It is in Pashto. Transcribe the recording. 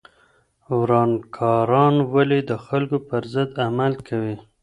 ورانکاران ولې د خلکو پر ضد عمل کوي؟